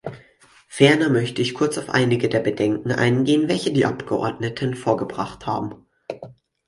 Ferner möchte ich kurz auf einige der Bedenken eingehen, welche die Abgeordneten vorgebracht haben.